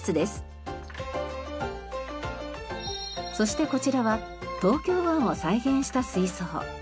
そしてこちらは東京湾を再現した水槽。